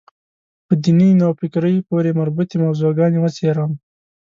په دیني نوفکرۍ پورې مربوطې موضوع ګانې وڅېړم.